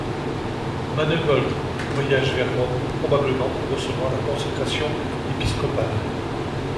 Manegold voyage vers Rome, probablement pour recevoir la consécration épiscopale.